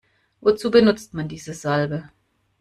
Wozu benutzt man diese Salbe?